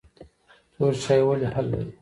تور چای ولې هل لري؟